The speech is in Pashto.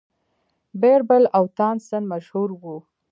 بیربل او تانسن مشهور وو.